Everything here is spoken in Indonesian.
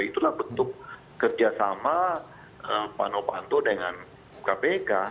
itulah bentuk kerjasama pak sidenovanto dengan bkpk